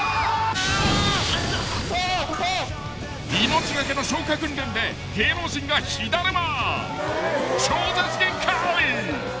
［命懸けの消火訓練で芸能人が火だるま］